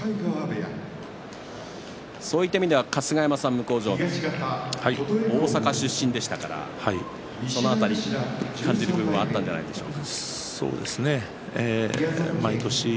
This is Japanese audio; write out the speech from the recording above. そういった意味では向正面の春日山さん大阪出身でしたからその辺り感じる部分もあったんじゃないでしょうか。